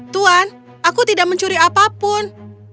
tuan aku tidak mencuri apapun